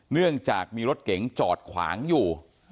เนื่องจากมีรถเก๋งจอดขวางอยู่